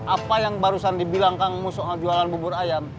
apa yang barusan dibilang kamu soal jualan bubur ayam